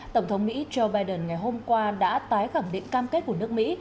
tổng thống mỹ joe biden ngày hôm qua đã tái khẳng định cam kết của nước mỹ